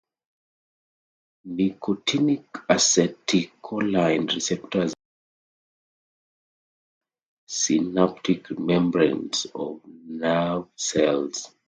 Nicotinic acetylcholine receptors are found in the post-synaptic membranes of nerve cells.